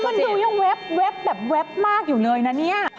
เพราะฉะนั้นมันดูยังแว๊บแว๊บแบบแว๊บมากอยู่เลยนะนี่